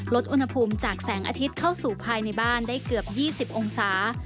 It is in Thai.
ลดอุณหภูมิจากแสงอาทิตย์เข้าสู่ภายในบ้านได้เกือบ๒๐องศา